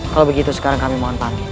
kalau begitu sekarang kami mohon pake